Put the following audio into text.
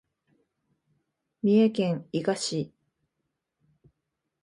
三重県伊賀市